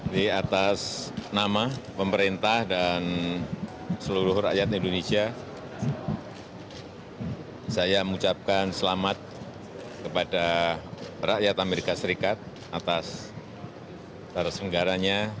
di atas nama pemerintah dan seluruh rakyat indonesia saya mengucapkan selamat kepada rakyat amerika serikat atas tersenggaranya